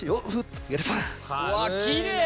うわっきれい。